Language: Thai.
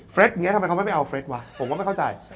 เฟรชเนี่ยทำไมเขาไม่เอาเฟรชวะผมก็ไม่เข้าใจ